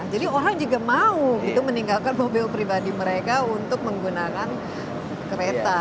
jadi orang juga mau gitu meninggalkan mobil pribadi mereka untuk menggunakan kereta